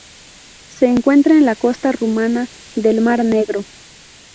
Se encuentra en la costa rumana del Mar Negro.